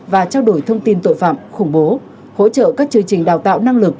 và trao đổi thông tin tội phạm khủng bố hỗ trợ các chương trình đào tạo năng lực